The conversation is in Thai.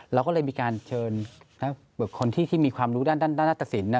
เราก็เลยมีการเชิญบุคคลที่มีความรู้ด้านหน้าตะสิน